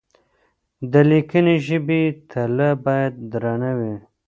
د ليکنۍ ژبې تله بايد درنه وي.